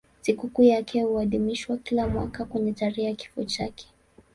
Sikukuu yake huadhimishwa kila mwaka kwenye tarehe ya kifo chake.